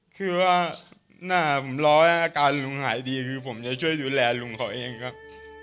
คือว่าหน้าผมรอให้อาการลุงหายดีคือผมจะช่วยดูแลลุงเขาเองครับ